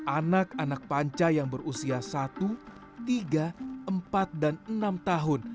anak anak panca yang berusia satu tiga empat dan enam tahun